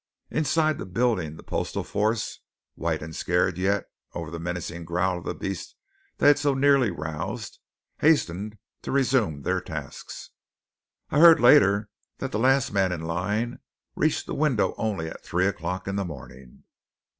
Inside the building the postal force, white and scared yet over the menacing growl of the beast they had so nearly roused, hastened to resume their tasks. I heard later that the last man in line reached the window only at three o'clock in the morning.